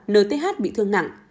nth bị thương nặng